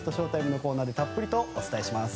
ＳＨＯ‐ＴＩＭＥのコーナーでもたっぷりとお伝えします。